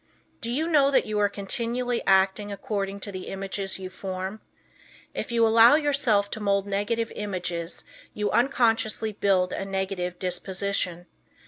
Do you know that you are continually acting according to the images you form? If you allow yourself to mould negative images you unconsciously build a negative disposition.